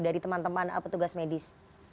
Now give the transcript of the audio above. dari teman teman petugas medis